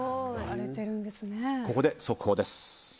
ここで速報です。